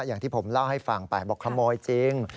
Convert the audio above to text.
อย่างที่ผมเล่าให้ฟังไปบอกขโมยจริง